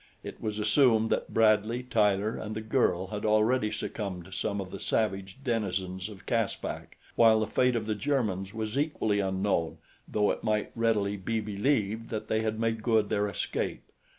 It was assumed that Bradley, Tyler and the girl had already succumbed to some of the savage denizens of Caspak, while the fate of the Germans was equally unknown, though it might readily be believed that they had made good their escape.